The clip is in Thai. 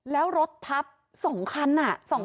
แล้วมันต้องทำอีก